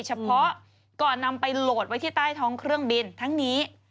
เฉพาะก่อนนำไปโหลดไว้ที่ใต้ท้องเครื่องบินทั้งนี้